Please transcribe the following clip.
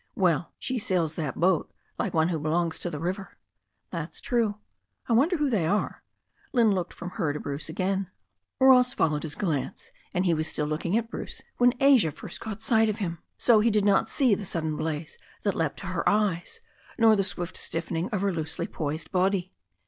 "Well, she sails that boat like one who belongs to the river." "That's true. I wonder who they are." Lynne looked from her to Bruce again. Ross followed his glance, and he was still looking at Bruce when Asia first caught sight of him. So he did not see the sudden blaze that leapt to her eyes, nor the swift stiffening of her loosely poised body.